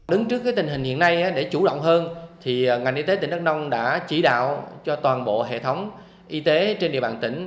đứng trước tình hình hiện nay để chủ động hơn ngành y tế tỉnh đắk nông đã chỉ đạo cho toàn bộ hệ thống y tế trên địa bàn tỉnh